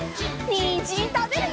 にんじんたべるよ！